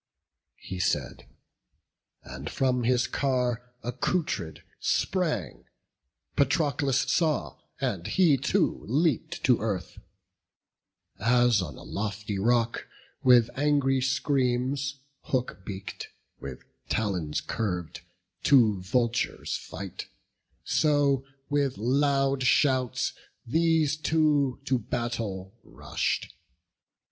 He said, and from his car, accoutred, sprang; Patroclus saw, and he too leap'd to earth. As on a lofty rock, with angry screams, Hook beak'd, with talons curv'd, two vultures fight; So with loud shouts these two to battle rush'd.